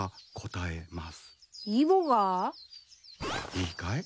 いいかい？